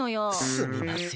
すみません。